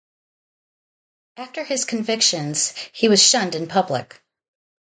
After his convictions he was shunned in public.